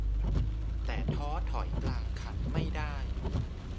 แต่ท้อถอยกลางคันไม่ได้